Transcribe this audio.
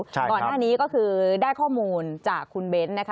ใช่ครับตอนหน้านี้ก็คือได้ข้อมูลจากคุณเบนซ์